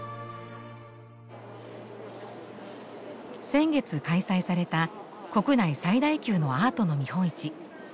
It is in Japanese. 先月開催された国内最大級のアートの見本市。